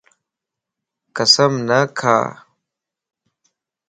قسم نه کا